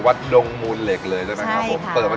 วัดดงมูนเหล็กเลยใช่ไหมครับ